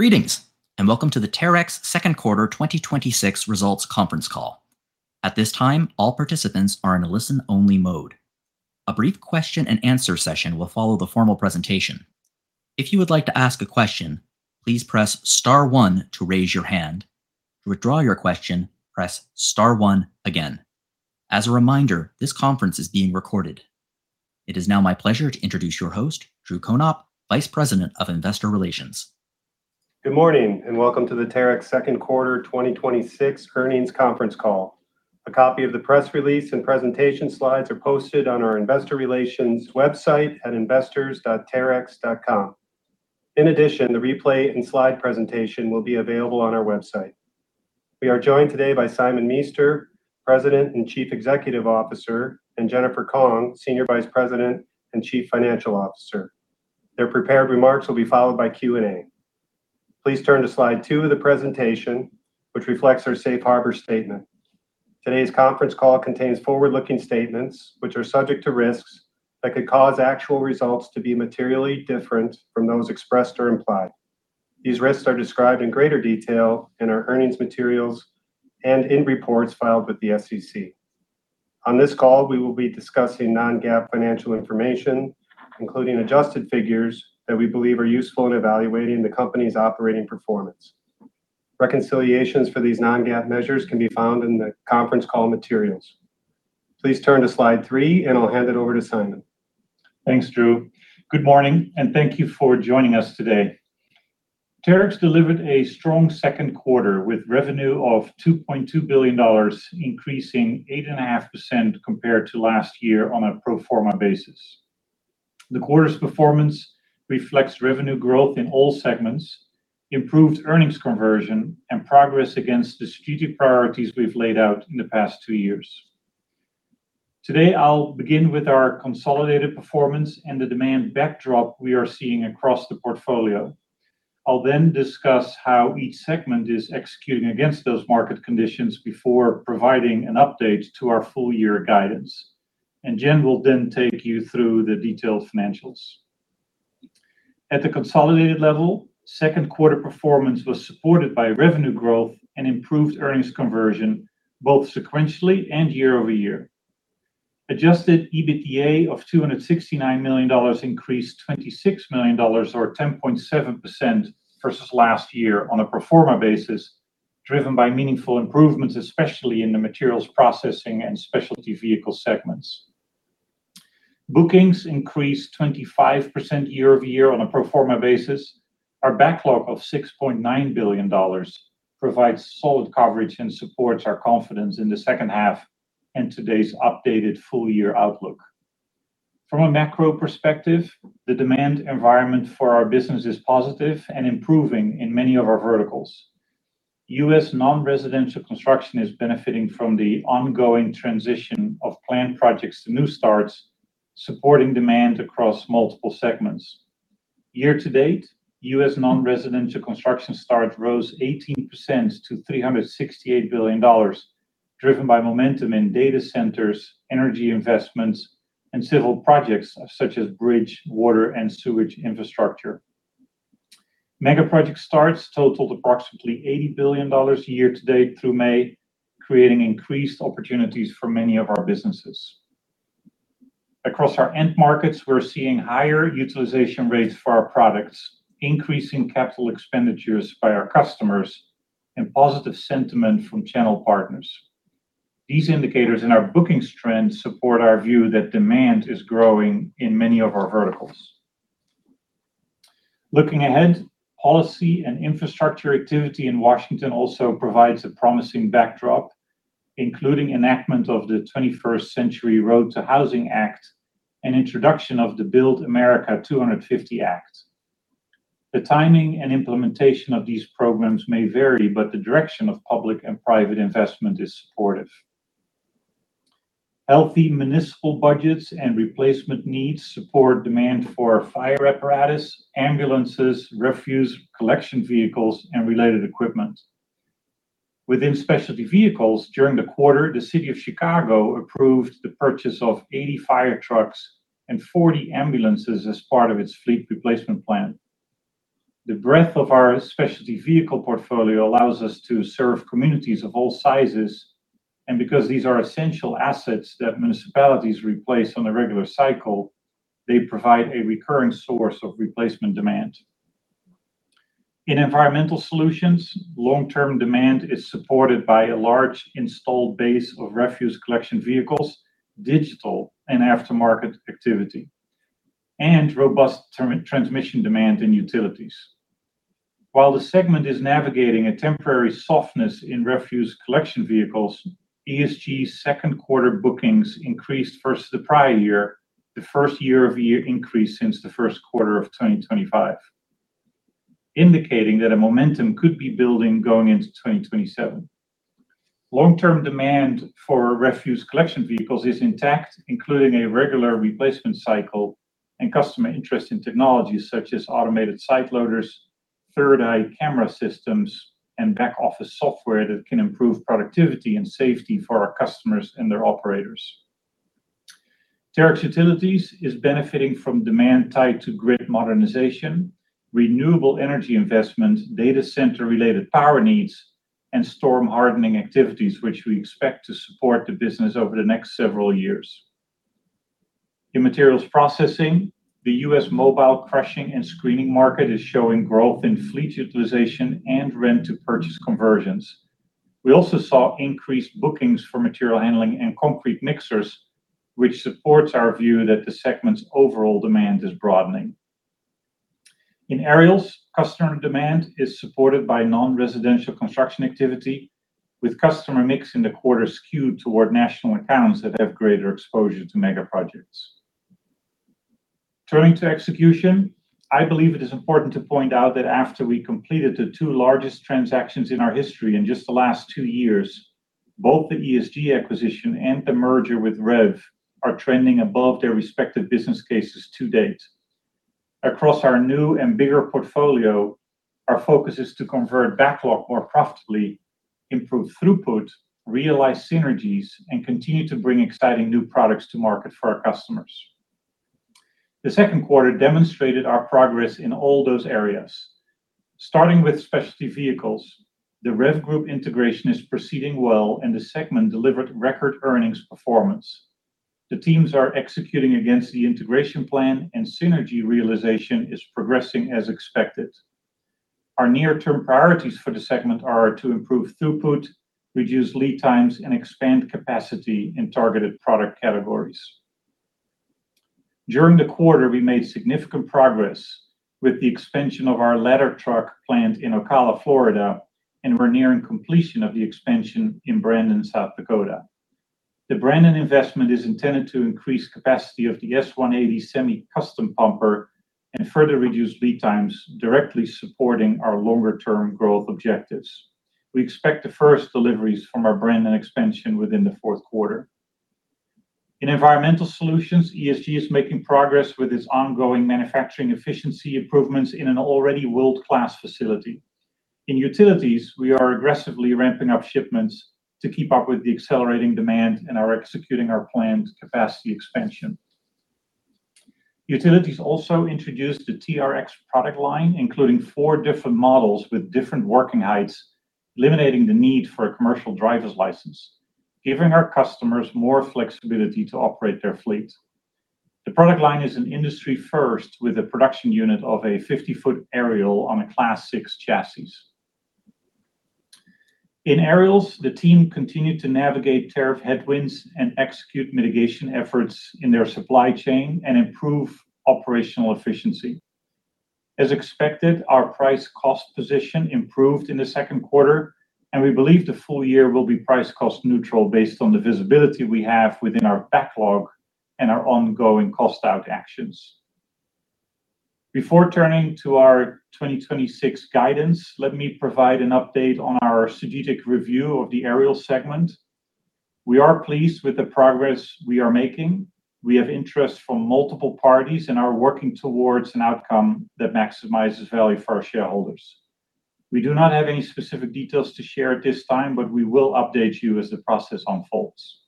Greetings. Welcome to the Terex Q2 2026 results conference call. At this time, all participants are in a listen-only mode. A brief question and answer session will follow the formal presentation. If you would like to ask a question, please press star one to raise your hand. To withdraw your question, press star one again. As a reminder, this conference is being recorded. It is now my pleasure to introduce your host, Drew Konop, Vice President of Investor Relations. Good morning. Welcome to the Terex Q2 2026 earnings conference call. A copy of the press release and presentation slides are posted on our investor relations website at investors.terex.com. The replay and slide presentation will be available on our website. We are joined today by Simon Meester, President and Chief Executive Officer, and Jennifer Kong-Picarello, Senior Vice President and Chief Financial Officer. Their prepared remarks will be followed by Q&A. Please turn to slide two of the presentation, which reflects our safe harbor statement. Today's conference call contains forward-looking statements, which are subject to risks that could cause actual results to be materially different from those expressed or implied. These risks are described in greater detail in our earnings materials and in reports filed with the SEC. On this call, we will be discussing non-GAAP financial information, including adjusted figures that we believe are useful in evaluating the company's operating performance. Reconciliations for these non-GAAP measures can be found in the conference call materials. Please turn to slide three. I'll hand it over to Simon. Thanks, Drew. Good morning. Thank you for joining us today. Terex delivered a strong Q2 with revenue of $2.2 billion, increasing 8.5% compared to last year on a pro forma basis. The quarter's performance reflects revenue growth in all segments, improved earnings conversion, and progress against strategic priorities we've laid out in the past two years. Today, I'll begin with our consolidated performance and the demand backdrop we are seeing across the portfolio. I'll discuss how each segment is executing against those market conditions before providing an update to our full year guidance. Jen will take you through the detailed financials. At the consolidated level, Q2 performance was supported by revenue growth and improved earnings conversion both sequentially and year-over-year. Adjusted EBITDA of $269 million increased $26 million, or 10.7%, versus last year on a pro forma basis, driven by meaningful improvements, especially in the Materials Processing and Specialty Vehicles segments. Bookings increased 25% year-over-year on a pro forma basis. Our backlog of $6.9 billion provides solid coverage and supports our confidence in the second half and today's updated full-year outlook. From a macro perspective, the demand environment for our business is positive and improving in many of our verticals. U.S. non-residential construction is benefiting from the ongoing transition of planned projects to new starts, supporting demand across multiple segments. Year to date, U.S. non-residential construction starts rose 18% to $368 billion, driven by momentum in data centers, energy investments, and civil projects such as bridge, water, and sewage infrastructure. Mega project starts totaled approximately $80 billion year to date through May, creating increased opportunities for many of our businesses. Across our end markets, we're seeing higher utilization rates for our products, increasing capital expenditures by our customers, and positive sentiment from channel partners. These indicators and our bookings trends support our view that demand is growing in many of our verticals. Looking ahead, policy and infrastructure activity in Washington also provides a promising backdrop, including enactment of the 21st Century ROAD to Housing Act and introduction of the BUILD America 250 Act. The timing and implementation of these programs may vary, but the direction of public and private investment is supportive. Healthy municipal budgets and replacement needs support demand for fire apparatus, ambulances, refuse collection vehicles, and related equipment. Within Specialty Vehicles, during the quarter, the city of Chicago approved the purchase of 80 fire trucks and 40 ambulances as part of its fleet replacement plan. The breadth of our Specialty Vehicles portfolio allows us to serve communities of all sizes, and because these are essential assets that municipalities replace on a regular cycle, they provide a recurring source of replacement demand. In Environmental Solutions, long-term demand is supported by a large installed base of refuse collection vehicles, digital and aftermarket activity, and robust transmission demand in utilities. While the segment is navigating a temporary softness in refuse collection vehicles, ESG's Q2 bookings increased versus the prior year, the first year-over-year increase since the Q1 of 2025, indicating that momentum could be building going into 2027. Long-term demand for refuse collection vehicles is intact, including a regular replacement cycle and customer interest in technologies such as automated side loaders, 3rd Eye camera systems, and back office software that can improve productivity and safety for our customers and their operators. Terex Utilities is benefiting from demand tied to grid modernization, renewable energy investment, data center-related power needs, and storm hardening activities, which we expect to support the business over the next several years. In Materials Processing, the U.S. mobile crushing and screening market is showing growth in fleet utilization and rent-to-purchase conversions. We also saw increased bookings for material handling and concrete mixers, which supports our view that the segment's overall demand is broadening. In Aerials, customer demand is supported by non-residential construction activity, with customer mix in the quarter skewed toward national accounts that have greater exposure to mega projects. Turning to execution, I believe it is important to point out that after we completed the two largest transactions in our history in just the last two years, both the ESG acquisition and the merger with Rev are trending above their respective business cases to date. Across our new and bigger portfolio, our focus is to convert backlog more profitably, improve throughput, realize synergies, and continue to bring exciting new products to market for our customers. The Q2 demonstrated our progress in all those areas. Starting with Specialty Vehicles, the REV Group integration is proceeding well, and the segment delivered record earnings performance. The teams are executing against the integration plan, and synergy realization is progressing as expected. Our near-term priorities for the segment are to improve throughput, reduce lead times, and expand capacity in targeted product categories. During the quarter, we made significant progress with the expansion of our ladder truck plant in Ocala, Florida, and we're nearing completion of the expansion in Brandon, South Dakota. The Brandon investment is intended to increase capacity of the S-180 semi-custom pumper and further reduce lead times, directly supporting our longer-term growth objectives. We expect the first deliveries from our Brandon expansion within the Q4. In Environmental Solutions, ESG is making progress with its ongoing manufacturing efficiency improvements in an already world-class facility. In Utilities, we are aggressively ramping up shipments to keep up with the accelerating demand and are executing our planned capacity expansion. Utilities also introduced the TRX product line, including four different models with different working heights, eliminating the need for a commercial driver's license, giving our customers more flexibility to operate their fleet. The product line is an industry first with a production unit of a 50-foot aerial on a Class six chassis. In Aerials, the team continued to navigate tariff headwinds and execute mitigation efforts in their supply chain and improve operational efficiency. As expected, our price cost position improved in the Q2, and we believe the full year will be price cost neutral based on the visibility we have within our backlog and our ongoing cost-out actions. Before turning to our 2026 guidance, let me provide an update on our strategic review of the Aerial segment. We are pleased with the progress we are making. We have interest from multiple parties and are working towards an outcome that maximizes value for our shareholders. We do not have any specific details to share at this time, but we will update you as the process unfolds.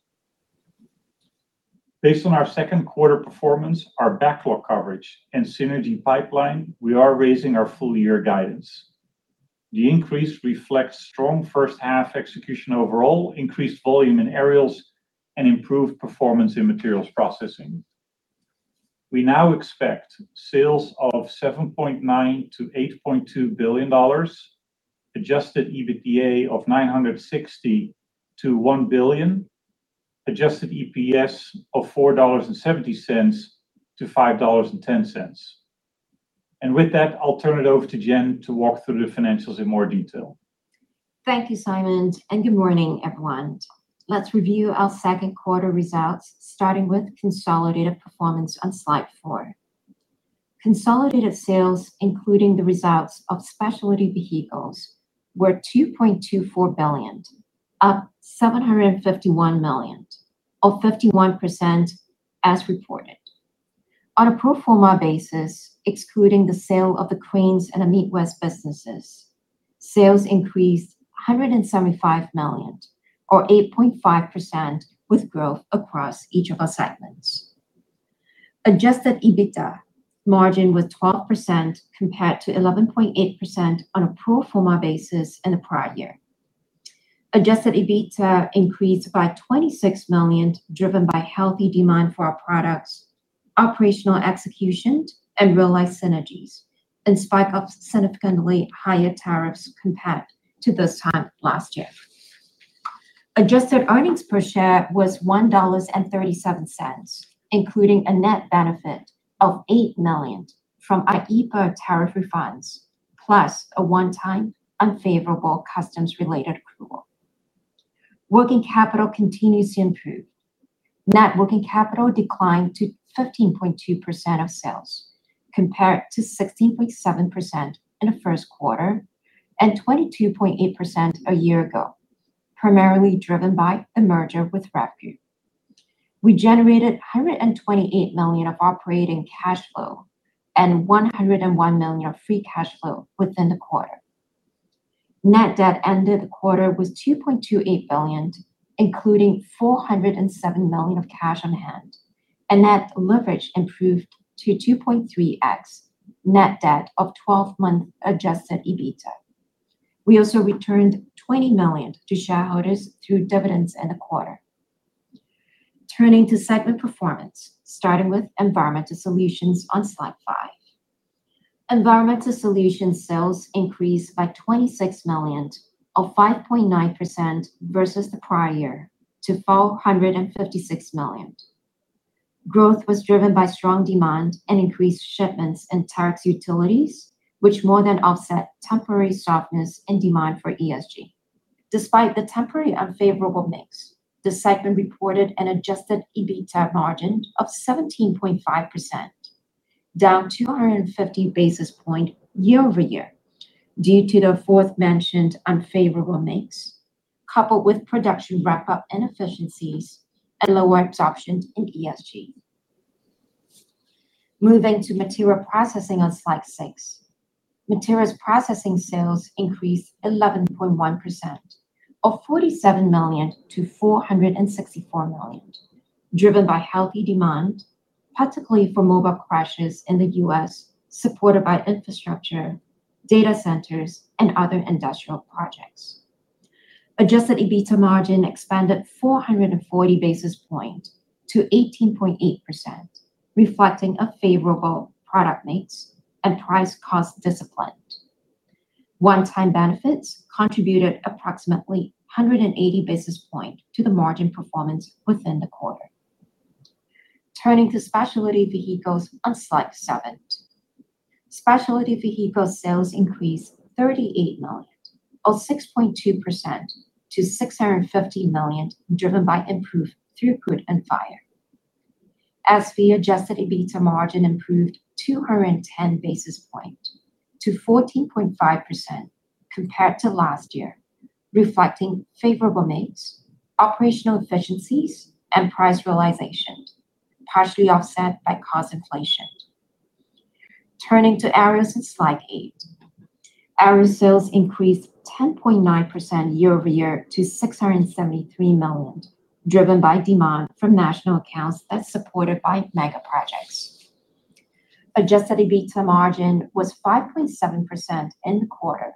Based on our Q2 performance, our backlog coverage, and synergy pipeline, we are raising our full-year guidance. The increase reflects strong first half execution overall, increased volume in Aerials, and improved performance in Materials Processing. We now expect sales of $7.9 billion-$8.2 billion, adjusted EBITDA of $960 million-$1 billion, adjusted EPS of $4.70-$5.10. With that, I'll turn it over to Jen to walk through the financials in more detail. Thank you, Simon, and good morning, everyone. Let's review our Q2 results, starting with consolidated performance on slide four. Consolidated sales, including the results of Specialty Vehicles, were $2.24 billion, up $751 million, or 51% as reported. On a pro forma basis, excluding the sale of the Cranes and the Midwest businesses, sales increased $175 million, or 8.5%, with growth across each of our segments. Adjusted EBITDA margin was 12%, compared to 11.8% on a pro forma basis in the prior year. Adjusted EBITDA increased by $26 million, driven by healthy demand for our products, operational execution, and realized synergies, in spite of significantly higher tariffs compared to this time last year. Adjusted earnings per share was $1.37, including a net benefit of $8 million from IEEPA tariff refunds, plus a one-time unfavorable customs related accrual. Working capital continues to improve. Net working capital declined to 15.2% of sales, compared to 16.7% in the Q1 and 22.8% a year ago, primarily driven by the merger with REV Group. We generated $128 million of operating cash flow and $101 million of free cash flow within the quarter. Net debt ended the quarter was $2.28 billion, including $407 million of cash on hand. Net leverage improved to 2.3x net debt of 12-month adjusted EBITDA. We also returned $20 million to shareholders through dividends in the quarter. Turning to segment performance, starting with Environmental Solutions on slide five. Environmental Solutions sales increased by $26 million, or 5.9% versus the prior year, to $456 million. Growth was driven by strong demand and increased shipments in Terex Utilities, which more than offset temporary softness and demand for ESG. Despite the temporary unfavorable mix, the segment reported an adjusted EBITDA margin of 17.5%, down 250 basis points year-over-year, due to the aforementioned unfavorable mix, coupled with production ramp-up inefficiencies and lower absorption in ESG. Moving to Materials Processing on slide six. Materials Processing sales increased 11.1%, or $47 million to $464 million, driven by healthy demand, particularly for mobile crushers in the U.S., supported by infrastructure, data centers, and other industrial projects. Adjusted EBITDA margin expanded 440 basis points to 18.8%, reflecting a favorable product mix and price cost discipline. One-time benefits contributed approximately 180 basis points to the margin performance within the quarter. Turning to Specialty Vehicles on slide seven. Specialty Vehicles sales increased $38 million, or 6.2%, to $650 million, driven by improved throughput and fire. SV adjusted EBITDA margin improved 210 basis points to 14.5% compared to last year, reflecting favorable mix, operational efficiencies, and price realization, partially offset by cost inflation. Turning to Aerials in slide eight. Aerials sales increased 10.9% year-over-year to $673 million, driven by demand from national accounts as supported by mega projects. Adjusted EBITDA margin was 5.7% in the quarter,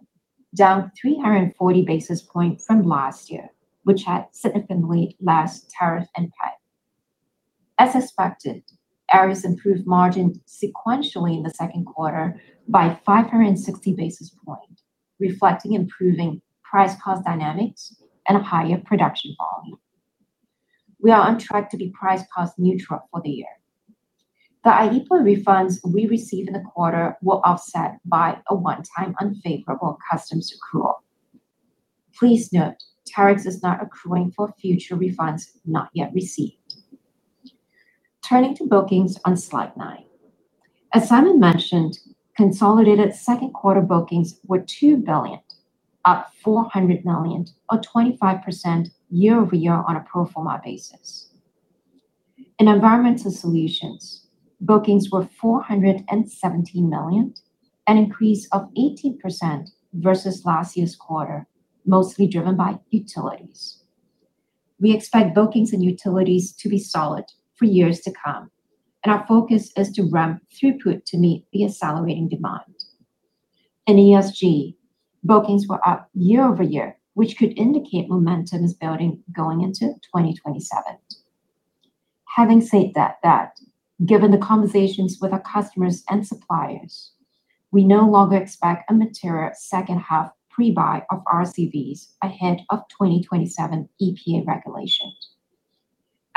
down 340 basis points from last year, which had significantly less tariff impact. As expected, Aerials improved margin sequentially in the Q2 by 560 basis points, reflecting improving price-cost dynamics and a higher production volume. We are on track to be price-cost neutral for the year. The IEEPA refunds we received in the quarter were offset by a one-time unfavorable customs accrual. Please note, Terex is not accruing for future refunds not yet received. Turning to bookings on slide nine. As Simon mentioned, consolidated second quarter bookings were $2 billion, up $400 million or 25% year-over-year on a pro forma basis. In Environmental Solutions, bookings were $417 million, an increase of 18% versus last year's quarter, mostly driven by Utilities. We expect bookings and Utilities to be solid for years to come, and our focus is to ramp throughput to meet the accelerating demand. In ESG, bookings were up year-over-year, which could indicate momentum is building going into 2027. Having said that, given the conversations with our customers and suppliers, we no longer expect a material second-half pre-buy of RCVs ahead of 2027 EPA regulations.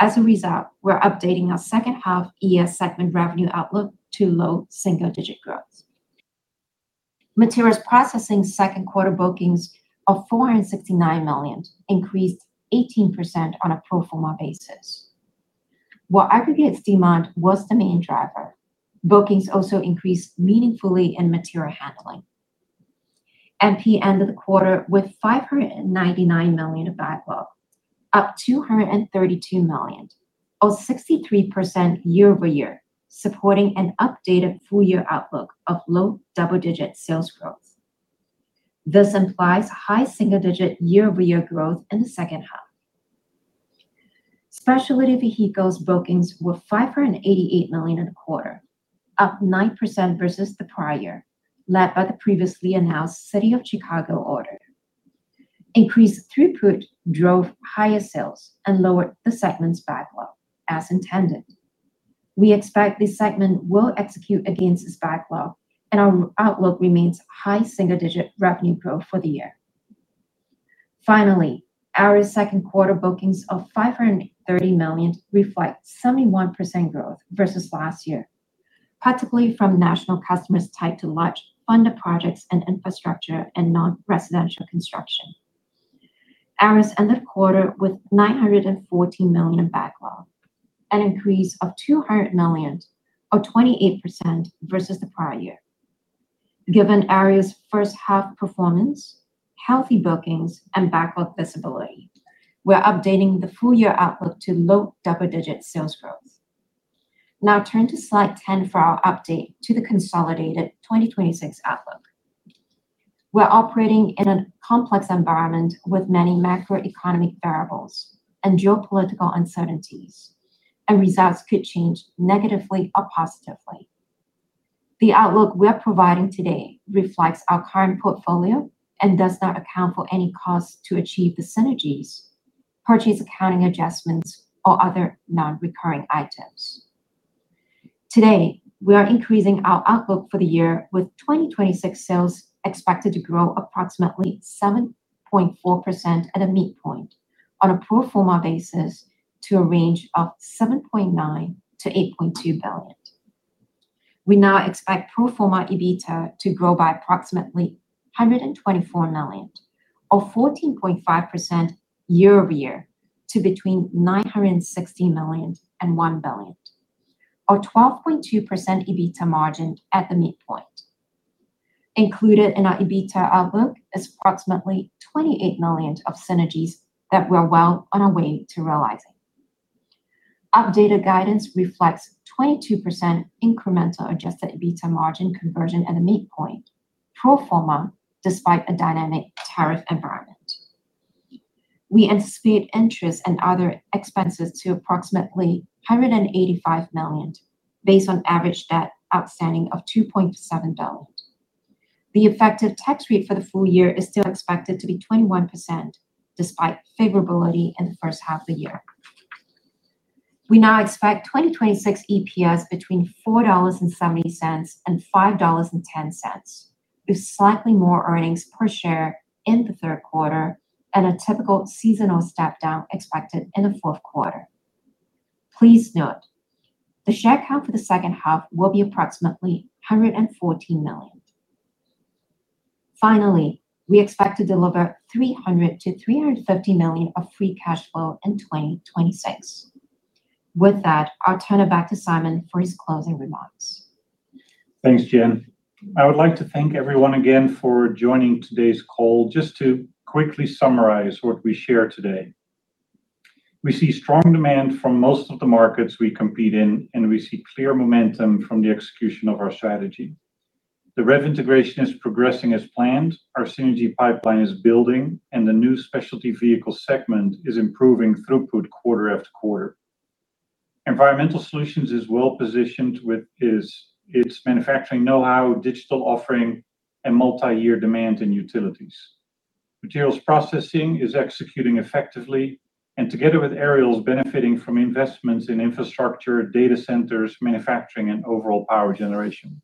As a result, we're updating our second-half ES segment revenue outlook to low single-digit growth. Materials Processing Q2 bookings of $469 million increased 18% on a pro forma basis. While aggregates demand was the main driver, bookings also increased meaningfully in material handling. MP ended the quarter with $599 million of backlog, up $232 million, or 63% year-over-year, supporting an updated full-year outlook of low double-digit sales growth. This implies high single-digit year-over-year growth in the second half. Specialty Vehicles bookings were $588 million in the quarter, up nine percent versus the prior year, led by the previously announced City of Chicago order. Increased throughput drove higher sales and lowered the segment's backlog, as intended. We expect this segment will execute against its backlog, and our outlook remains high single-digit revenue growth for the year. Finally, Aerials Q2 bookings of $530 million reflect 71% growth versus last year, particularly from national customers tied to large funded projects in infrastructure and non-residential construction. Aerials ended the quarter with $914 million in backlog, an increase of $200 million or 28% versus the prior year. Given Aerials' first-half performance, healthy bookings, and backlog visibility, we're updating the full-year outlook to low double-digit sales growth. Now turn to slide 10 for our update to the consolidated 2026 outlook. We're operating in a complex environment with many macroeconomic variables and geopolitical uncertainties, and results could change negatively or positively. The outlook we are providing today reflects our current portfolio and does not account for any cost to achieve the synergies, purchase accounting adjustments, or other non-recurring items. Today, we are increasing our outlook for the year, with 2026 sales expected to grow approximately 7.4% at a midpoint on a pro forma basis to a range of $7.9 billion-$8.2 billion. We now expect pro forma EBITDA to grow by approximately $124 million, or 14.5% year-over-year, to between $960 million and $1 billion, or 12.2% EBITDA margin at the midpoint. Included in our EBITDA outlook is approximately $28 million of synergies that we're well on our way to realizing. Updated guidance reflects 22% incremental adjusted EBITDA margin conversion at the midpoint pro forma, despite a dynamic tariff environment. We anticipate interest and other expenses to approximately $185 million, based on average debt outstanding of $2.7 billion. The effective tax rate for the full-year is still expected to be 21%, despite favorability in the first half of the year. We now expect 2026 EPS between $4.70 and $5.10, with slightly more earnings per share in the Q3 and a typical seasonal step down expected in the Q4. Please note, the share count for the second half will be approximately $114 million. Finally, we expect to deliver $300 million-$350 million of free cash flow in 2026. With that, I'll turn it back to Simon for his closing remarks. Thanks, Jen. I would like to thank everyone again for joining today's call. Just to quickly summarize what we shared today. We see strong demand from most of the markets we compete in, and we see clear momentum from the execution of our strategy. The REV integration is progressing as planned. Our synergy pipeline is building, and the new Specialty Vehicles segment is improving throughput quarter after quarter. Environmental Solutions is well positioned with its manufacturing knowhow, digital offering, and multiyear demand in utilities. Materials Processing is executing effectively, and together with Aerials, benefiting from investments in infrastructure, data centers, manufacturing, and overall power generation.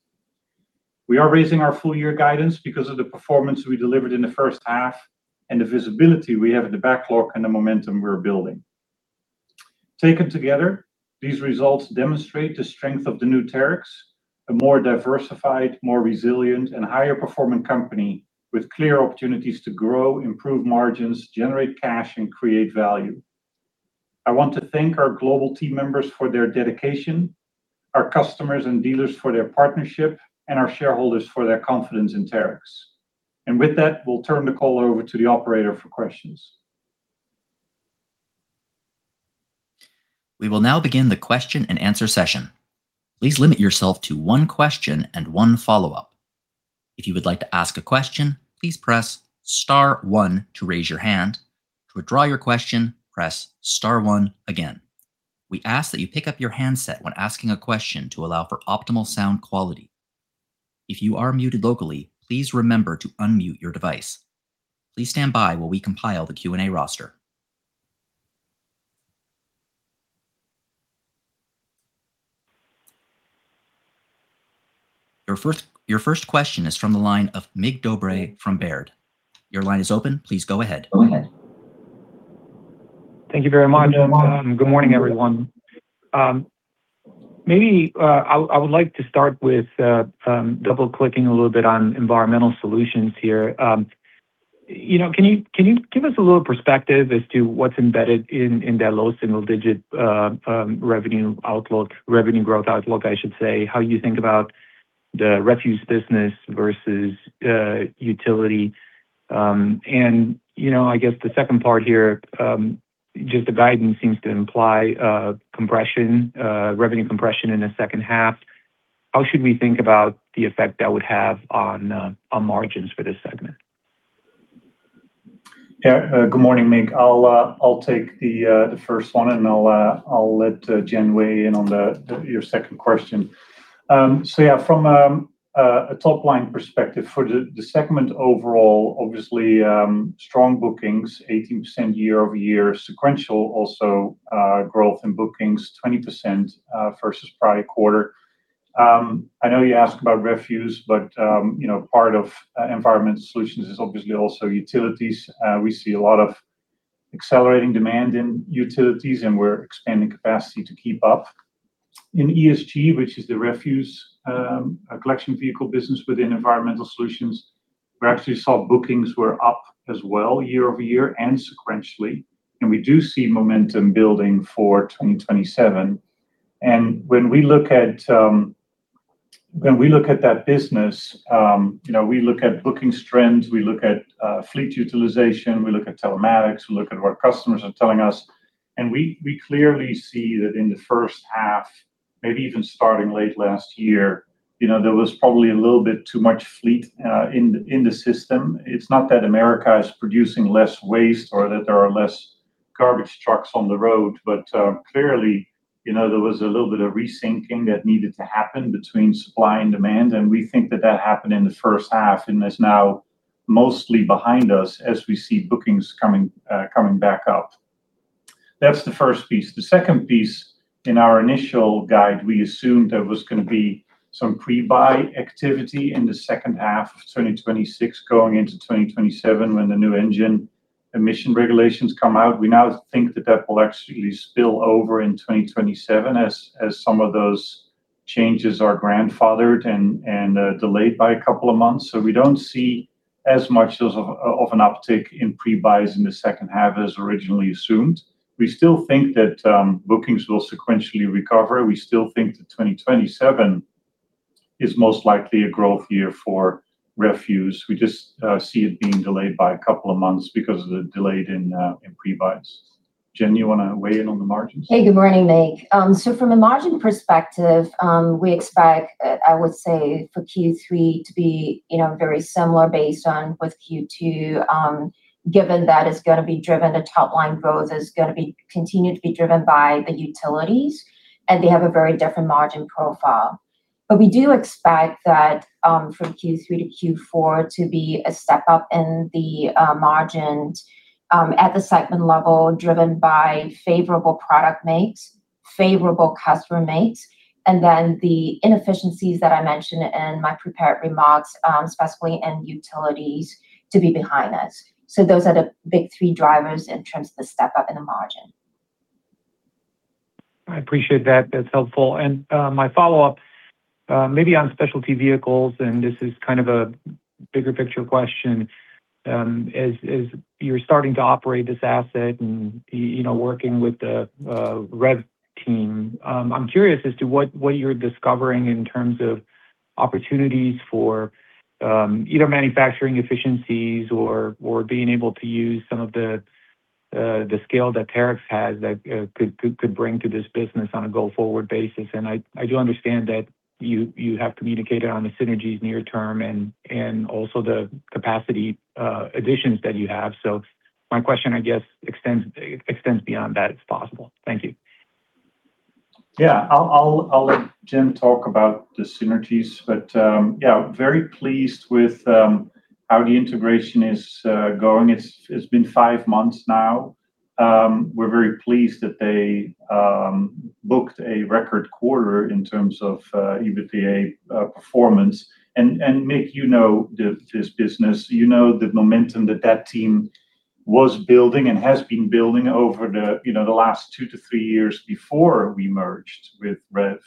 We are raising our full year guidance because of the performance we delivered in the first half and the visibility we have in the backlog and the momentum we're building. Taken together, these results demonstrate the strength of the new Terex, a more diversified, more resilient, and higher performing company with clear opportunities to grow, improve margins, generate cash, and create value. I want to thank our global team members for their dedication, our customers and dealers for their partnership, and our shareholders for their confidence in Terex. With that, we'll turn the call over to the operator for questions. We will now begin the question and answer session. Please limit yourself to one question and one follow-up. If you would like to ask a question, please press star one to raise your hand. To withdraw your question, press star one again. We ask that you pick up your handset when asking a question to allow for optimal sound quality. If you are muted locally, please remember to unmute your device. Please stand by while we compile the Q&A roster. Your first question is from the line of Mig Dobre from Baird. Your line is open. Please go ahead. Thank you very much. Good morning, everyone. Maybe I would like to start with double clicking a little bit on Environmental Solutions here. Can you give us a little perspective as to what's embedded in that low single-digit revenue growth outlook? How you think about the refuse business versus utility? I guess the second part here, just the guidance seems to imply revenue compression in the second half. How should we think about the effect that would have on margins for this segment? Yeah. Good morning, Mig. I'll take the first one, and I'll let Jen weigh in on your second question. From a top-line perspective for the segment overall, obviously, strong bookings, 18% year-over-year, sequential also, growth in bookings 20% versus prior quarter. I know you asked about refuse, but part of Environmental Solutions is obviously also Terex Utilities. We see a lot of accelerating demand in Terex Utilities, and we're expanding capacity to keep up. In ESG, which is the refuse collection vehicle business within Environmental Solutions, we actually saw bookings were up as well year-over-year and sequentially, we do see momentum building for 2027. When we look at that business, we look at bookings trends, we look at fleet utilization, we look at telematics, we look at what customers are telling us. We clearly see that in the first half, maybe even starting late last year, there was probably a little bit too much fleet in the system. It's not that America is producing less waste or that there are less garbage trucks on the road, but clearly, there was a little bit of resyncing that needed to happen between supply and demand. We think that that happened in the first half and is now mostly behind us as we see bookings coming back up. That's the first piece. The second piece, in our initial guide, we assumed there was going to be some pre-buy activity in the second half of 2026 going into 2027 when the new engine emission regulations come out. We now think that will actually spill over in 2027 as some of those changes are grandfathered and delayed by a couple of months. We don't see as much of an uptick in pre-buys in the second half as originally assumed. We still think that bookings will sequentially recover. We still think that 2027 is most likely a growth year for refuse. We just see it being delayed by a couple of months because of the delay in pre-buys. Jen, you want to weigh in on the margins? Hey, good morning, Mig. From a margin perspective, we expect for Q3 to be very similar with Q2, given that the top-line growth is going to continue to be driven by the utilities, and they have a very different margin profile. We do expect that from Q3-Q4 to be a step up in the margins at the segment level, driven by favorable product mix, favorable customer mix, and the inefficiencies that I mentioned in my prepared remarks, specifically in utilities to be behind that. Those are the big three drivers in terms of the step-up in the margin. I appreciate that. That's helpful. My follow-up, maybe on Specialty Vehicles, and this is kind of a bigger picture question. As you're starting to operate this asset and working with the REV team, I'm curious as to what you're discovering in terms of opportunities for either manufacturing efficiencies or being able to use some of the scale that Terex has that could bring to this business on a go-forward basis. I do understand that you have communicated on the synergies near term and also the capacity additions that you have. My question, I guess extends beyond that if possible. Thank you. Yeah. I'll let Jen talk about the synergies, but very pleased with how the integration is going. It's been five months now. We're very pleased that they booked a record quarter in terms of EBITDA performance. Mig, you know this business. You know the momentum that team was building and has been building over the last two - three years before we merged with REV.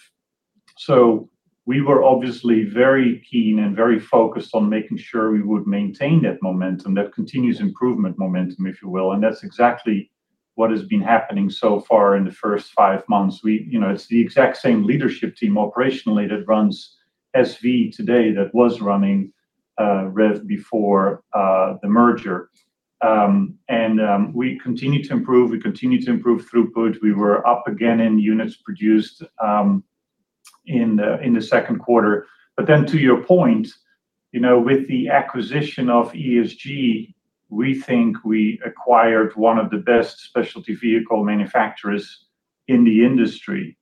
We were obviously very keen and very focused on making sure we would maintain that momentum, that continuous improvement momentum, if you will, and that's exactly what has been happening so far in the first five months. It's the exact same leadership team operationally that runs SV today that was running REV before the merger. We continue to improve throughput. We were up again in units produced in the Q2. To your point, with the acquisition of ESG, we think we acquired one of the best specialty vehicle manufacturers in the industry.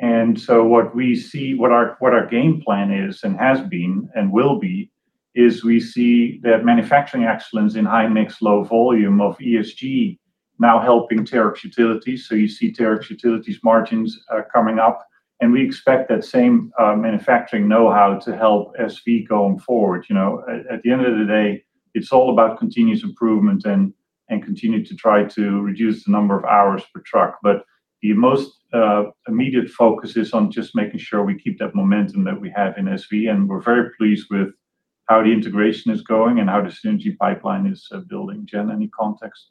What our game plan is and has been and will be, is we see that manufacturing excellence in high mix, low volume of ESG now helping Terex Utilities, so you see Terex Utilities margins are coming up, and we expect that same manufacturing know-how to help SV going forward. At the end of the day, it's all about continuous improvement and continue to try to reduce the number of hours per truck. The most immediate focus is on just making sure we keep that momentum that we have in SV, and we're very pleased with how the integration is going and how the synergy pipeline is building. Jen, any context?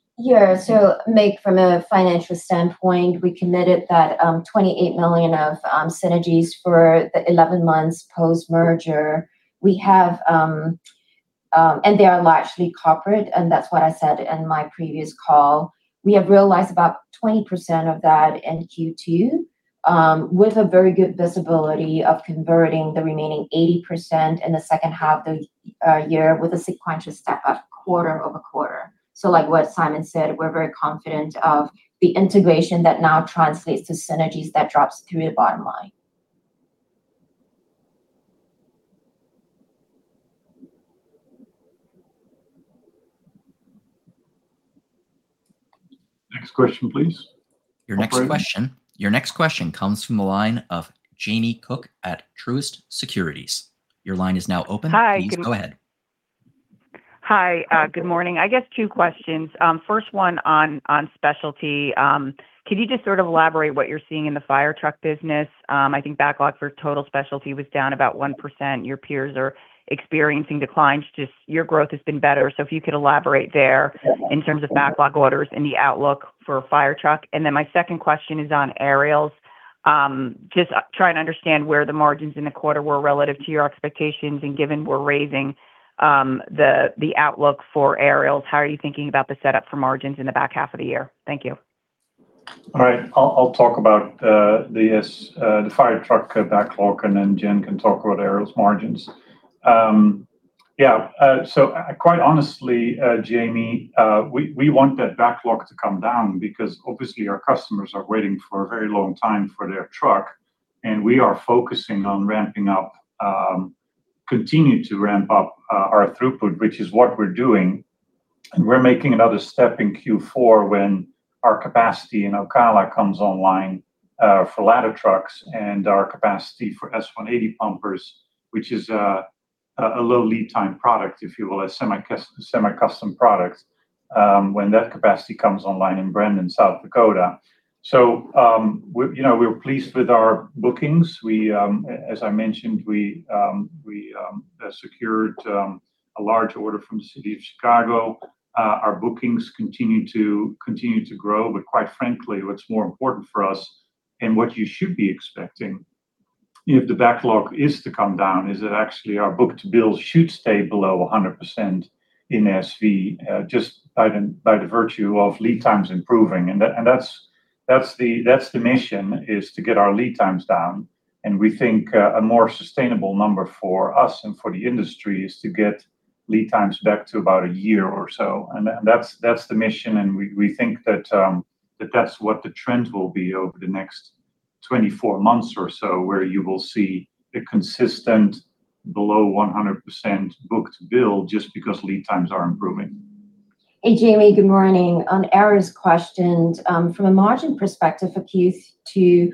Mig, from a financial standpoint, we committed that $28 million of synergies for the 11 months post-merger. They are largely corporate, and that's what I said in my previous call. We have realized about 20% of that in Q2 with a very good visibility of converting the remaining 80% in the second half of the year with a sequential step-up quarter-over-quarter. Like what Simon said, we're very confident of the integration that now translates to synergies that drops through the bottom line. Next question, please. Your next question comes from the line of Jamie Cook at Truist Securities. Your line is now open. Hi. Please go ahead. Hi. Good morning. I guess two questions. First one on Specialty. Can you just sort of elaborate what you're seeing in the fire truck business? I think backlog for total Specialty was down about one percent. Your peers are experiencing declines. Your growth has been better, so if you could elaborate there in terms of backlog orders and the outlook for fire truck. My second question is on Aerials. Just trying to understand where the margins in the quarter were relative to your expectations, and given we're raising the outlook for Aerials, how are you thinking about the setup for margins in the back half of the year? Thank you. All right. I'll talk about the fire truck backlog, and then Jen can talk about Aerials' margins. Yeah. Quite honestly, Jamie, we want that backlog to come down because obviously our customers are waiting for a very long time for their truck, and we are focusing on continuing to ramp up our throughput, which is what we're doing. We're making another step in Q4 when our capacity in Ocala comes online for ladder trucks and our capacity for S-180 pumpers, which is a low lead time product, if you will, a semi-custom product, when that capacity comes online in Brandon, South Dakota. We're pleased with our bookings. As I mentioned, we secured a large order from the city of Chicago. Our bookings continue to grow, quite frankly, what's more important for us and what you should be expecting, if the backlog is to come down, is that actually our book-to-bill should stay below 100% in SV, just by the virtue of lead times improving. That's the mission, is to get our lead times down. We think a more sustainable number for us and for the industry is to get lead times back to about a year or so. That's the mission, and we think that that's what the trend will be over the next 24 months or so, where you will see a consistent below 100% book-to-bill just because lead times are improving. Hey, Jamie. Good morning. On Aerials' questions, from a margin perspective for Q2,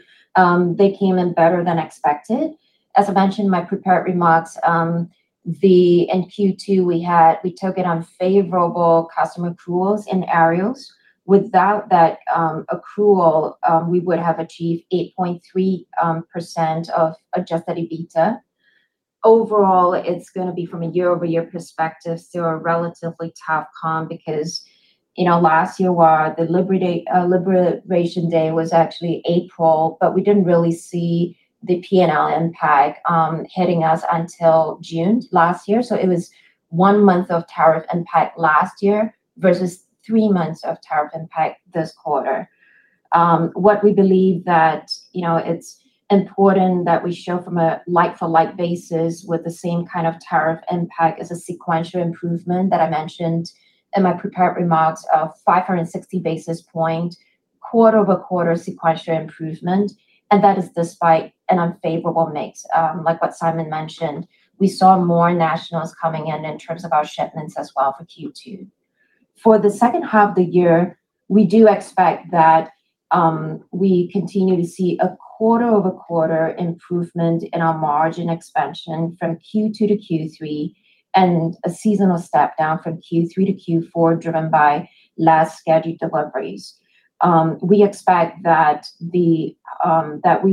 they came in better than expected. As I mentioned in my prepared remarks, in Q2 we took an unfavorable customer accruals in Aerials. Without that accrual, we would have achieved 8.3% of adjusted EBITDA. Overall, it's going to be from a year-over-year perspective, still a relatively tough comp because last year, where the liberation day was actually April, but we didn't really see the P&L impact hitting us until June last year. It was one month of tariff impact last year versus three months of tariff impact this quarter. What we believe that it's important that we show from a like-for-like basis with the same kind of tariff impact is a sequential improvement that I mentioned in my prepared remarks of 560 basis points quarter-over-quarter sequential improvement. That is despite an unfavorable mix. Like what Simon mentioned, we saw more nationals coming in terms of our shipments as well for Q2. For the second half of the year, we do expect that we continue to see a quarter-over-quarter improvement in our margin expansion from Q2 to Q3 and a seasonal step down from Q3 to Q4, driven by less scheduled deliveries. We expect that we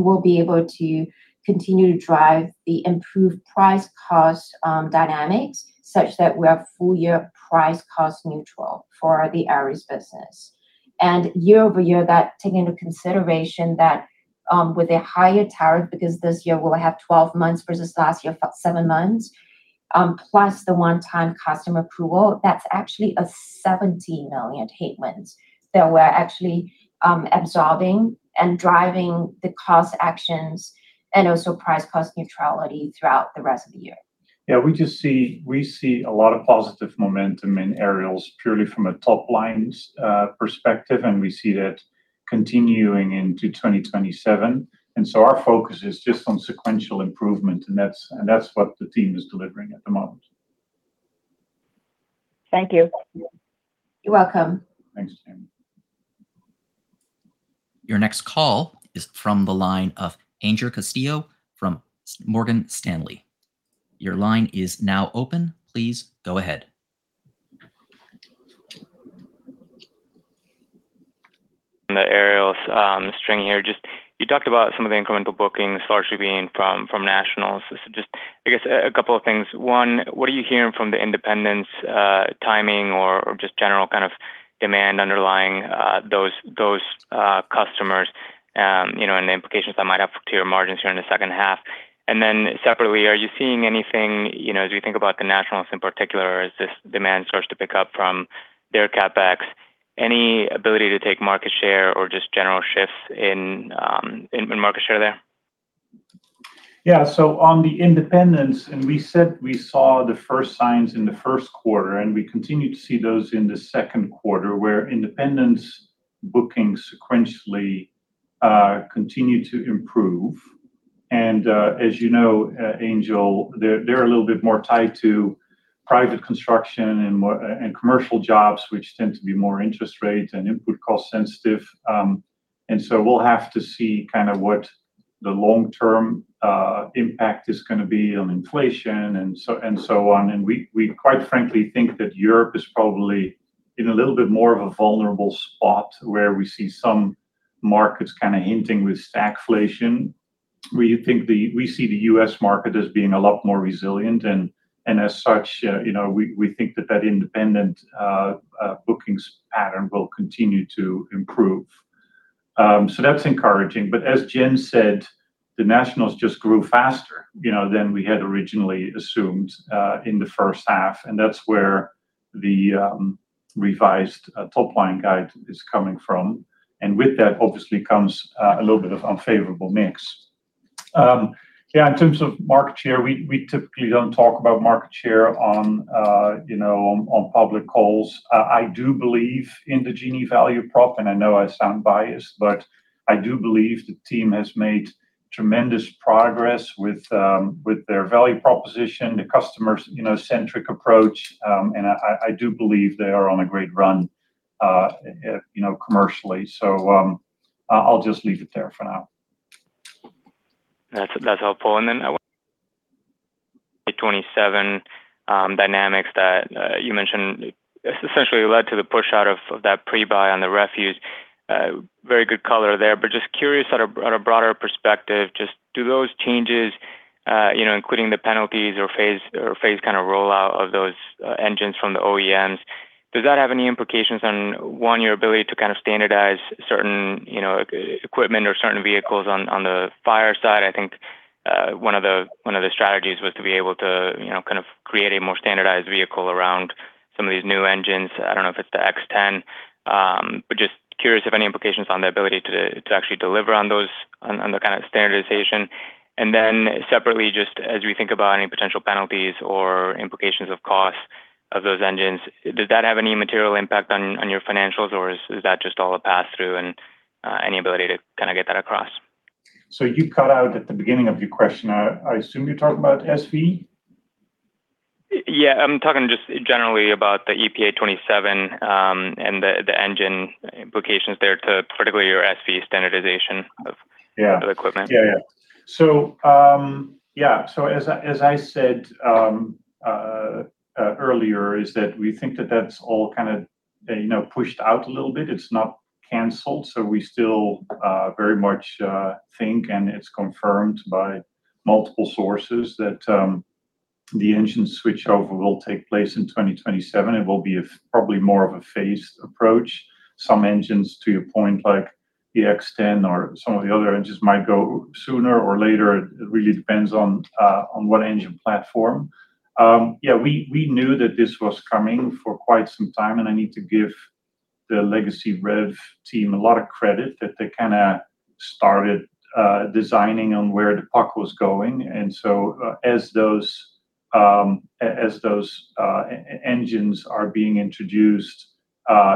will be able to continue to drive the improved price-cost dynamics such that we are full-year price-cost neutral for the Aerials business. And year-over-year, that take into consideration that with a higher tariff, because this year we'll have 12 months versus last year for seven months, plus the one-time customer accrual, that's actually a $17 million headwind that we're actually absorbing and driving the cost actions and also price-cost neutrality throughout the rest of the year. We see a lot of positive momentum in Aerials purely from a top-line perspective, and we see that continuing into 2027. Our focus is just on sequential improvement, and that's what the team is delivering at the moment. Thank you. You're welcome. Thanks, Jamie. Your next call is from the line of Angel Castillo from Morgan Stanley. Your line is now open. Please go ahead. On the Aerials string here, you talked about some of the incremental bookings largely being from nationals. Just, I guess, a couple of things. One, what are you hearing from the independents timing or just general kind of demand underlying those customers, and the implications that might have to your margins here in the second half? Separately, are you seeing anything as we think about the nationals in particular as this demand starts to pick up from their CapEx, any ability to take market share or just general shifts in market share there? Yeah. On the independents, we said we saw the first signs in the Q1, we continue to see those in the second quarter, where independents booking sequentially continue to improve. As you know, Angel, they're a little bit more tied to private construction and commercial jobs, which tend to be more interest rate and input cost sensitive. We'll have to see kind of what the long-term impact is going to be on inflation and so on. We quite frankly think that Europe is probably in a little bit more of a vulnerable spot, where we see some markets kind of hinting with stagflation. We think we see the U.S. market as being a lot more resilient, as such, we think that that independent bookings pattern will continue to improve. That's encouraging. As Jen said, the nationals just grew faster than we had originally assumed in the first half, and that's where the revised top-line guide is coming from. With that, obviously, comes a little bit of unfavorable mix. In terms of market share, we typically don't talk about market share on public calls. I do believe in the Genie value prop, and I know I sound biased, but I do believe the team has made tremendous progress with their value proposition, the customer-centric approach, and I do believe they are on a great run commercially. I'll just leave it there for now. That's helpful. The 27 dynamics that you mentioned, essentially led to the push out of that pre-buy on the refuse. Very good color there. Just curious, at a broader perspective, just do those changes, including the penalties or phase rollout of those engines from the OEMs, does that have any implications on, one, your ability to standardize certain equipment or certain vehicles on the fire side? I think one of the strategies was to be able to create a more standardized vehicle around some of these new engines. I don't know if it's the X10. Just curious if any implications on the ability to actually deliver on those, on the kind of standardization. Separately, just as we think about any potential penalties or implications of cost of those engines, does that have any material impact on your financials, or is that just all a pass-through, and any ability to kind of get that across? You cut out at the beginning of your question. I assume you're talking about SV? I'm talking just generally about the EPA 2027, the engine implications there particularly your SV standardization of equipment. As I said earlier, we think that that's all kind of pushed out a little bit. It's not canceled. We still very much think, it's confirmed by multiple sources, that the engine switchover will take place in 2027. It will be probably more of a phased approach. Some engines, to your point, like the X10 or some of the other engines might go sooner or later. It really depends on what engine platform. We knew that this was coming for quite some time, I need to give the legacy REV team a lot of credit that they started designing on where the puck was going. As those engines are being introduced,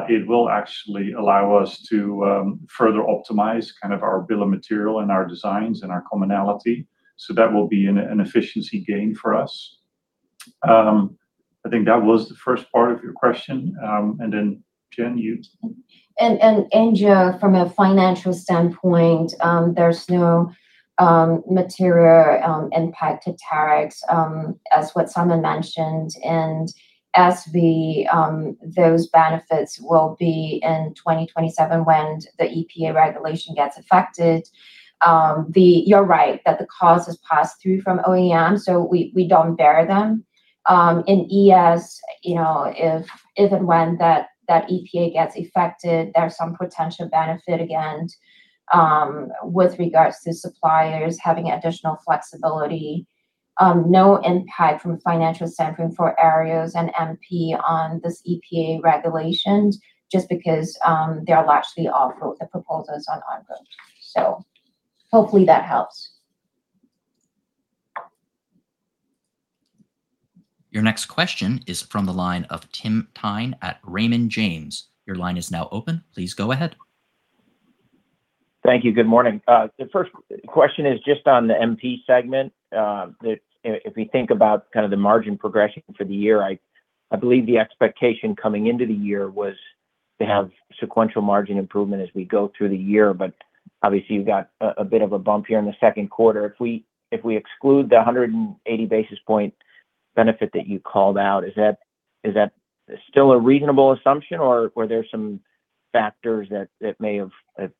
it will actually allow us to further optimize our bill of material and our designs and our commonality. That will be an efficiency gain for us. I think that was the first part of your question. Jen, you take it. Angel, from a financial standpoint, there's no material impact to Terex, as what Simon mentioned. As those benefits will be in 2027 when the EPA regulation gets affected. You're right, that the cost is passed through from OEM, we don't bear them. In ES, if and when that EPA gets affected, there's some potential benefit again with regards to suppliers having additional flexibility. No impact from a financial standpoint for Aerials and MP on this EPA regulations, just because they are largely off the proposals on ongoing. Hopefully that helps. Your next question is from the line of Tim Thein at Raymond James. Your line is now open. Please go ahead. Thank you. Good morning. The first question is just on the MP segment. If we think about the margin progression for the year, I believe the expectation coming into the year was to have sequential margin improvement as we go through the year. Obviously, you've got a bit of a bump here in the Q2. If we exclude the 180 basis points benefit that you called out, is that still a reasonable assumption, or are there some factors that may have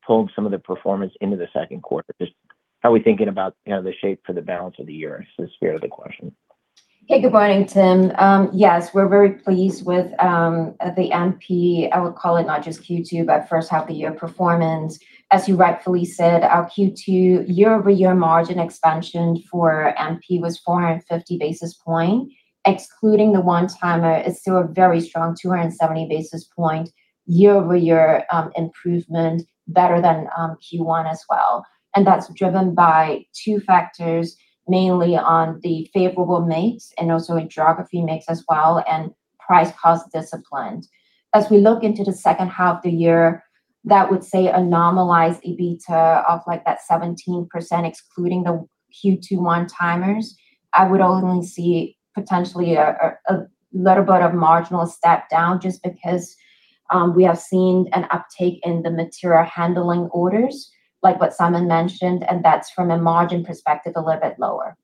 pulled some of the performance into the Q2? Just how are we thinking about the shape for the balance of the year, is the spirit of the question. Hey, good morning, Tim. We're very pleased with the MP, I would call it not just Q2, but first half of the year performance. As you rightfully said, our Q2 year-over-year margin expansion for MP was 450 basis points. Excluding the one-timer, it's still a very strong 270 basis points year-over-year improvement, better than Q1 as well. That's driven by two factors, mainly on the favorable mix and also in geography mix as well and price cost discipline. As we look into the second half of the year, that would say a normalized EBITDA of that 17%, excluding the Q2 one-timers. I would only see potentially a little bit of marginal step down just because we have seen an uptake in the material handling orders, like what Simon mentioned, and that's from a margin perspective, a little bit lower.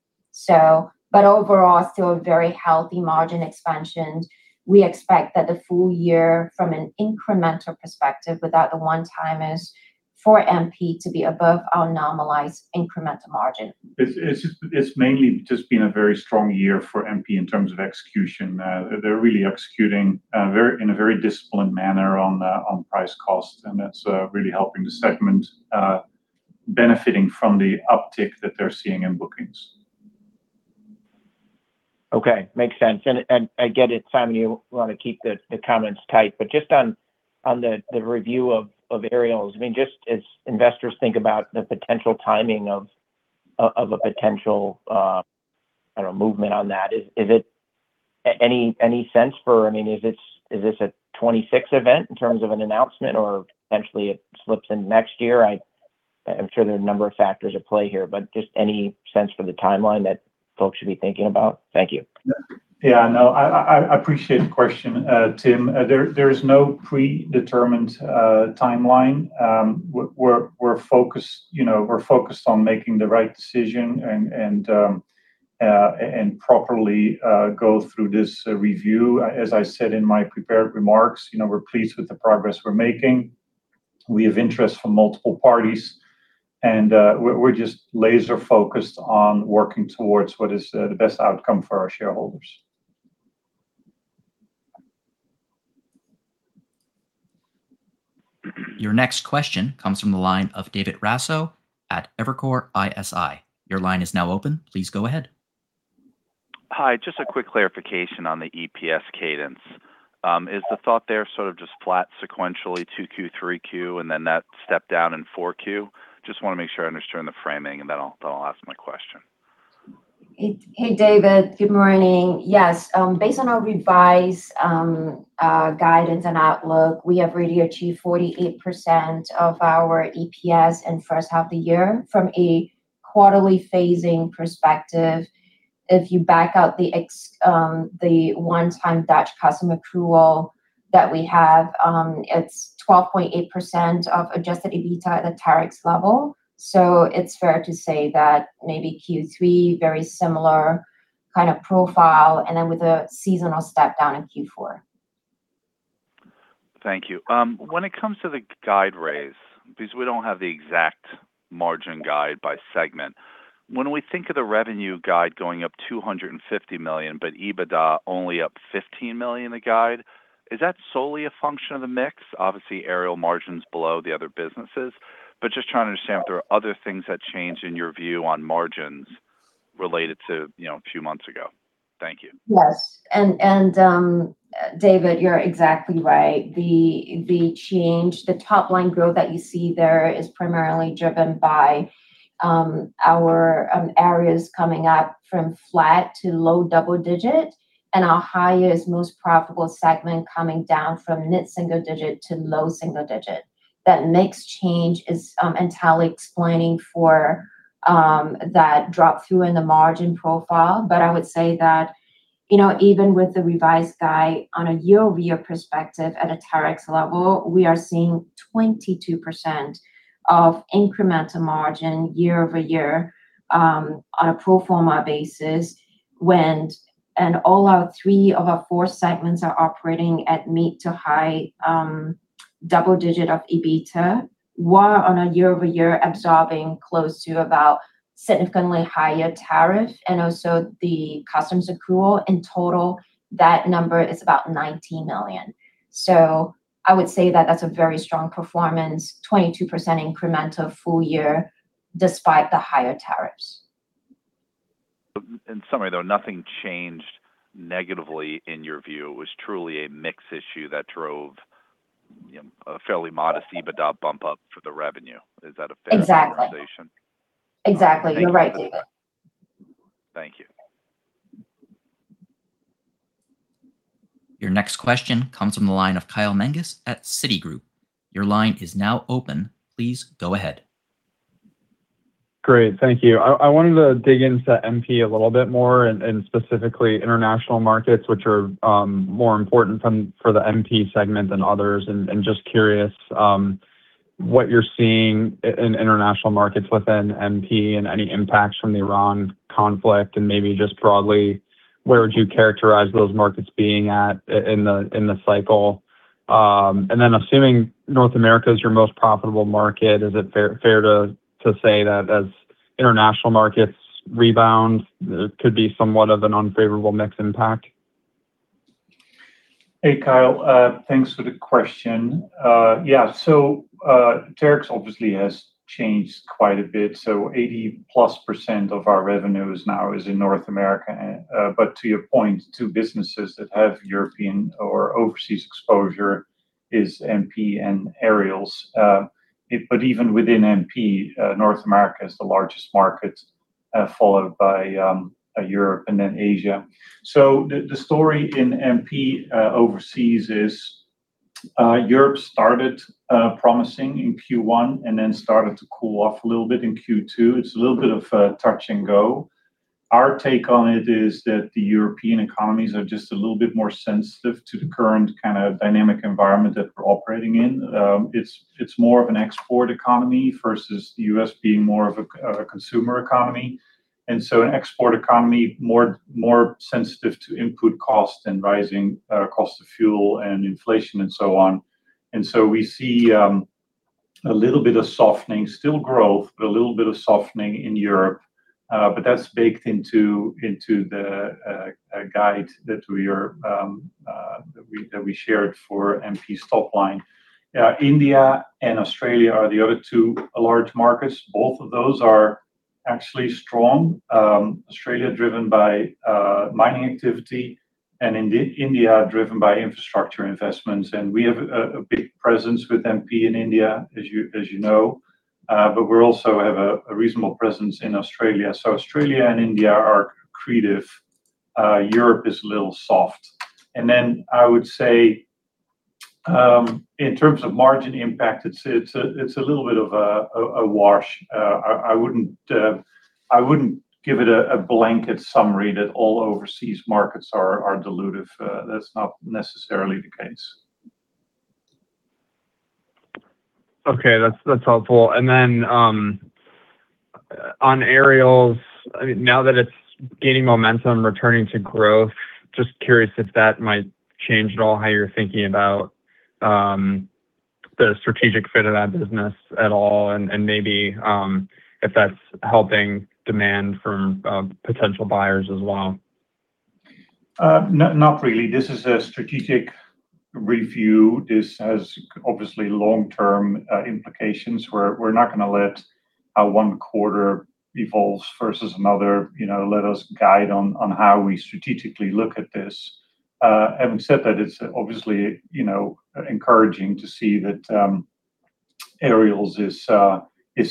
Overall, still a very healthy margin expansion. We expect that the full year from an incremental perspective without the one-timers for MP to be above our normalized incremental margin. It's mainly just been a very strong year for MP in terms of execution. They're really executing in a very disciplined manner on price cost, and that's really helping the segment, benefiting from the uptick that they're seeing in bookings. Okay. Makes sense. I get it, Simon, you want to keep the comments tight, but just on the review of Aerials, just as investors think about the potential timing of a potential movement on that. Any sense for, is this a 2026 event in terms of an announcement or eventually it slips into next year? I'm sure there are a number of factors at play here, but just any sense for the timeline that folks should be thinking about? Thank you. Yeah, no, I appreciate the question, Tim. There is no predetermined timeline. We're focused on making the right decision and properly go through this review. As I said in my prepared remarks, we're pleased with the progress we're making. We have interest from multiple parties, and we're just laser-focused on working towards what is the best outcome for our shareholders. Your next question comes from the line of David Raso at Evercore ISI. Your line is now open. Please go ahead. Hi. Just a quick clarification on the EPS cadence. Is the thought there sort of just flat sequentially 2Q ,3Q and then that step down in 4Q? Just want to make sure I understand the framing and then I'll ask my question. Hey, David. Good morning. Yes. Based on our revised guidance and outlook, we have really achieved 48% of our EPS in first half of the year from a quarterly phasing perspective. If you back out the one-time Dutch custom accrual that we have, it's 12.8% of adjusted EBITDA at the Terex level. It's fair to say that maybe Q3, very similar kind of profile, and then with a seasonal step down in Q4. Thank you. When it comes to the guide raise, because we don't have the exact margin guide by segment, when we think of the revenue guide going up $250 million, EBITDA only up $15 million a guide, is that solely a function of the mix? Obviously, Aerials margins below the other businesses, just trying to understand if there are other things that change in your view on margins related to a few months ago. Thank you. Yes. David, you're exactly right. The top line growth that you see there is primarily driven by our Aerials coming up from flat to low double digit, and our highest most profitable segment coming down from mid-single digit to low single digit. That mix change is entirely explaining for that drop through in the margin profile. I would say that even with the revised guide on a year-over-year perspective at a Terex level, we are seeing 22% of incremental margin year-over-year on a pro forma basis when all our three of our four segments are operating at mid to high double digit of EBITDA, while on a year-over-year absorbing close to about significantly higher tariff and also the customs accrual. In total, that number is about $19 million. I would say that that's a very strong performance, 22% incremental full year despite the higher tariffs. In summary, though, nothing changed negatively in your view. It was truly a mix issue that drove a fairly modest EBITDA bump up for the revenue. Is that a fair? Exactly conversation? Exactly. You're right, David. Thank you for that. Thank you. Your next question comes from the line of Kyle Menges at Citigroup. Your line is now open. Please go ahead. Great. Thank you. I wanted to dig into MP a little bit more and specifically international markets, which are more important for the MP segment than others. Just curious what you're seeing in international markets within MP and any impacts from the Iran conflict, maybe just broadly, where would you characterize those markets being at in the cycle? Then assuming North America is your most profitable market, is it fair to say that as international markets rebound, there could be somewhat of an unfavorable mix impact? Hey, Kyle. Thanks for the question. Yeah. Terex obviously has changed quite a bit. 80%+ of our revenues now is in North America. To your point, two businesses that have European or overseas exposure is MP and Aerials. Even within MP, North America is the largest market, followed by Europe and then Asia. The story in MP overseas is Europe started promising in Q1 and then started to cool off a little bit in Q2. It's a little bit of touch and go. Our take on it is that the European economies are just a little bit more sensitive to the current kind of dynamic environment that we're operating in. It's more of an export economy versus the U.S. being more of a consumer economy, an export economy, more sensitive to input costs and rising costs of fuel and inflation and so on. We see a little bit of softening, still growth, but a little bit of softening in Europe. That's baked into the guide that we shared for MP's top line. India and Australia are the other two large markets. Both of those are actually strong. Australia driven by mining activity and India driven by infrastructure investments. We have a big presence with MP in India, as you know. We also have a reasonable presence in Australia. Australia and India are accretive. Europe is a little soft. I would say, in terms of margin impact, it's a little bit of a wash. I wouldn't give it a blanket summary that all overseas markets are dilutive. That's not necessarily the case. That's helpful. On Aerials, now that it's gaining momentum, returning to growth, just curious if that might change at all how you're thinking about the strategic fit of that business at all, and maybe if that's helping demand from potential buyers as well. Not really. This is a strategic review. This has obviously long-term implications, where we're not going to let how one quarter evolves versus another let us guide on how we strategically look at this. Having said that, it's obviously encouraging to see that Aerials is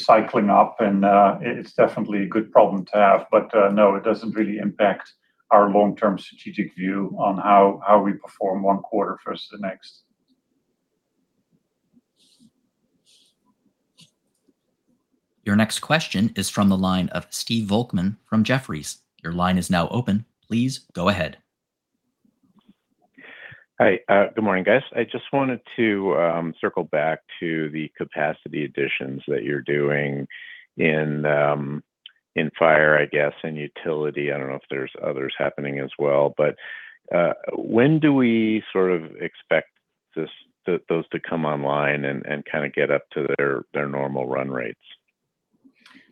cycling up, and it's definitely a good problem to have. No, it doesn't really impact our long-term strategic view on how we perform one quarter versus the next. Your next question is from the line of Stephen Volkmann from Jefferies. Your line is now open. Please go ahead. Hi. Good morning, guys. I just wanted to circle back to the capacity additions that you're doing in fire, I guess, and utility. I don't know if there's others happening as well, when do we sort of expect those to come online and kind of get up to their normal run rates?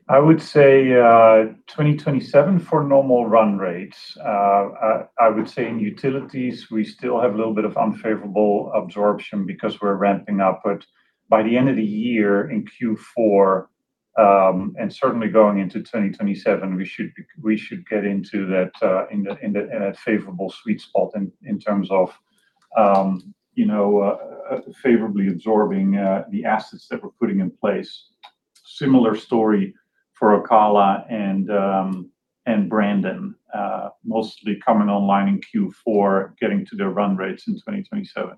I would say 2027 for normal run rates. I would say in Utilities, we still have a little bit of unfavorable absorption because we're ramping up. By the end of the year, in Q4, and certainly going into 2027, we should get into that favorable sweet spot in terms of favorably absorbing the assets that we're putting in place. Similar story for Ocala and Brandon. Mostly coming online in Q4, getting to their run rates in 2027.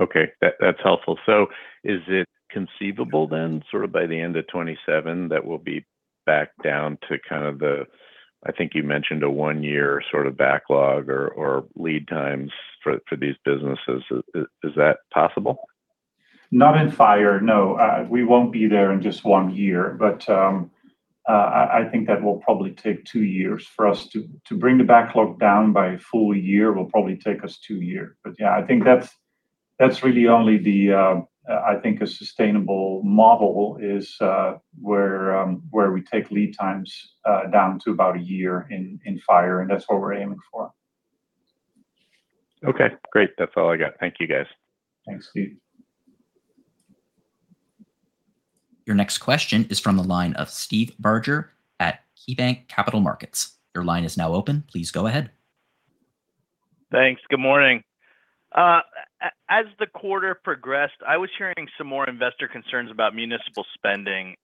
Okay. That's helpful. Is it conceivable then, sort of by the end of 2027, that we'll be back down to kind of the, I think you mentioned a one-year sort of backlog or lead times for these businesses. Is that possible? Not in Fire, no. We won't be there in just one year. I think that will probably take two years for us to bring the backlog down by a full year will probably take us two years. Yeah, I think that's really only the, I think, a sustainable model is where we take lead times down to about a year in Fire, and that's what we're aiming for. Okay, great. That's all I got. Thank you guys. Thanks, Steve. Your next question is from the line of Steve Barger at KeyBank Capital Markets. Your line is now open. Please go ahead. Thanks. Good morning. As the quarter progressed, I was hearing some more investor concerns about municipal spending.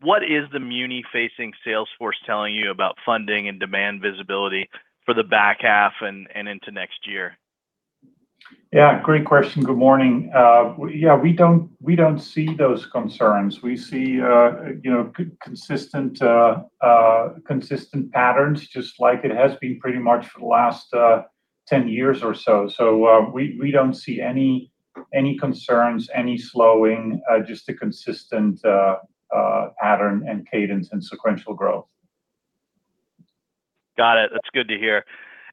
What is the muni-facing sales force telling you about funding and demand visibility for the back half and into next year? Yeah, great question. Good morning. Yeah, we don't see those concerns. We see consistent patterns, just like it has been pretty much for the last 10 years or so. We don't see any concerns, any slowing, just a consistent pattern and cadence in sequential growth. Got it. That's good to hear.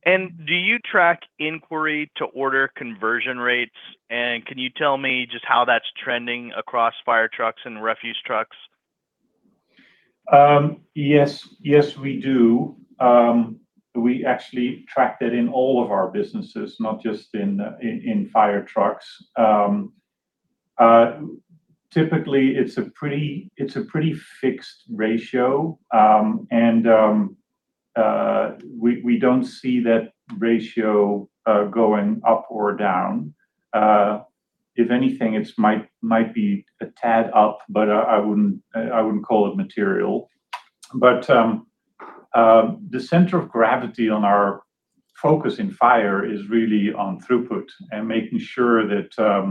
Do you track inquiry-to-order conversion rates? Can you tell me just how that's trending across fire trucks and refuse trucks? Yes, we do. We actually track that in all of our businesses, not just in fire trucks. Typically, it's a pretty fixed ratio, and we don't see that ratio going up or down. If anything, it might be a tad up, but I wouldn't call it material. The center of gravity on our focus in fire is really on throughput and making sure that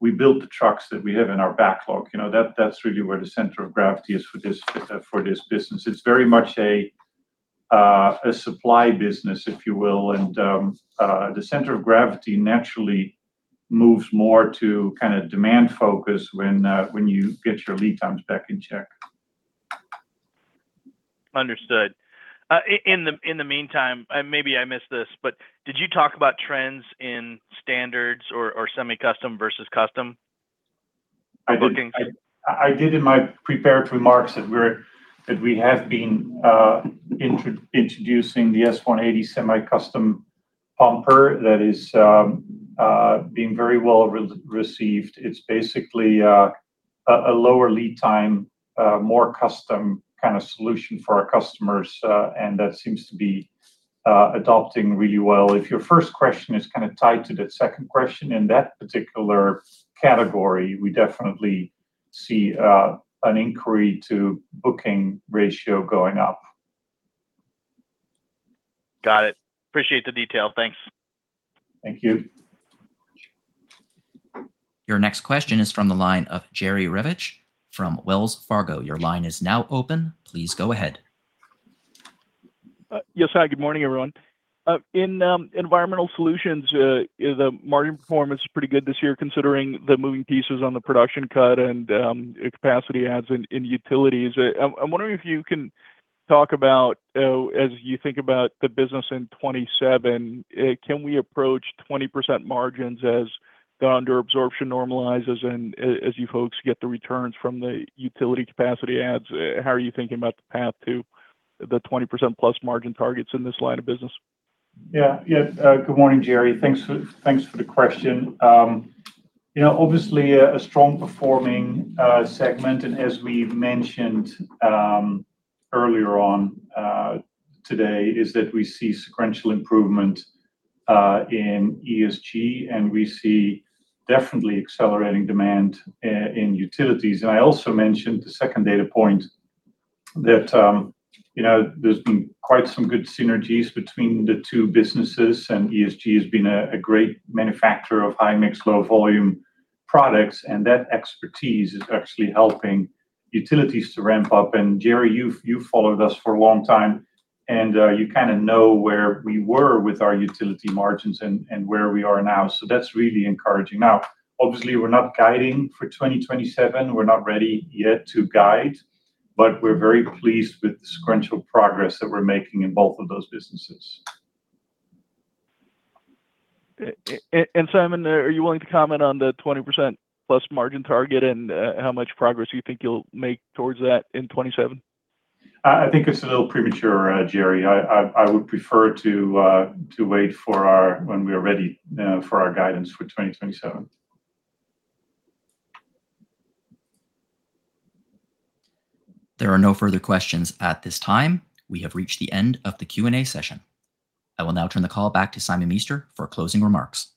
we build the trucks that we have in our backlog. That's really where the center of gravity is for this business. It's very much a supply business, if you will, and the center of gravity naturally moves more to kind of demand focus when you get your lead times back in check. Understood. In the meantime, maybe I missed this, did you talk about trends in standards or semi-custom versus custom booking? I did in my prepared remarks, that we have been introducing the S-180 semi-custom pumper that is being very well received. It's basically a lower lead time, more custom kind of solution for our customers, that seems to be adopting really well. If your first question is kind of tied to the second question, in that particular category, we definitely see an inquiry-to-booking ratio going up. Got it. Appreciate the detail. Thanks. Thank you. Your next question is from the line of Jerry Revich from Wells Fargo. Your line is now open. Please go ahead. Yes. Hi, good morning, everyone. In Environmental Solutions, the margin performance is pretty good this year, considering the moving pieces on the production cut and capacity adds in utilities. I'm wondering if you can talk about, as you think about the business in 2027, can we approach 20% margins as the under absorption normalizes and as you folks get the returns from the utility capacity adds? How are you thinking about the path to the 20% plus margin targets in this line of business? Good morning, Jerry. Thanks for the question. Obviously, a strong performing segment, as we've mentioned earlier on today, is that we see sequential improvement in ESG, we see definitely accelerating demand in Utilities. I also mentioned the second data point that there's been quite some good synergies between the two businesses, ESG has been a great manufacturer of high-mix, low-volume products, that expertise is actually helping Utilities to ramp up. Jerry, you've followed us for a long time, you kind of know where we were with our Utility margins and where we are now. That's really encouraging. Obviously, we're not guiding for 2027. We're not ready yet to guide, but we're very pleased with the sequential progress that we're making in both of those businesses. Simon, are you willing to comment on the 20% plus margin target and how much progress you think you'll make towards that in 2027? I think it's a little premature, Jerry. I would prefer to wait for when we are ready for our guidance for 2027. There are no further questions at this time. We have reached the end of the Q&A session. I will now turn the call back to Simon Meester for closing remarks.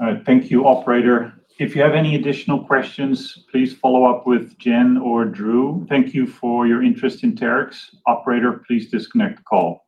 All right. Thank you, operator. If you have any additional questions, please follow up with Jen or Drew. Thank you for your interest in Terex. Operator, please disconnect the call.